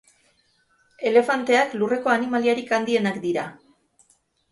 Elefanteak lurreko animaliarik handienak dira.